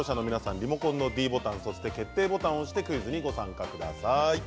リモコンのｄボタンそして決定ボタンを押してクイズにご参加ください。